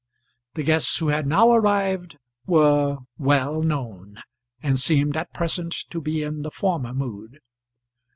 The guests who had now arrived were well known, and seemed at present to be in the former mood.